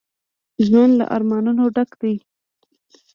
ژوند له ارمانونو ډک دی